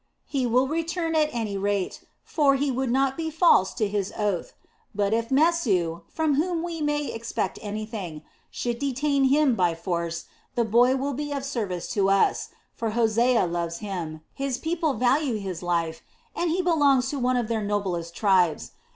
"He will return at any rate; for he would not be false to his oath. But if Mesu, from whom we may expect anything, should detain him by force, the boy will be of service to us; for Hosea loves him, his people value his life, and he belongs to one of their noblest tribes.